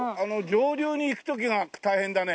上流に行く時が大変だね。